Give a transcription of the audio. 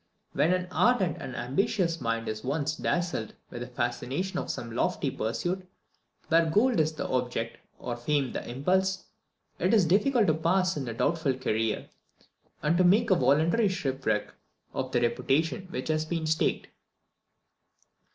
When an ardent and ambitious mind is once dazzled with the fascination of some lofty pursuit, where gold is the object, or fame the impulse, it is difficult to pause in a doubtful career, and to make a voluntary shipwreck of the reputation which has been staked.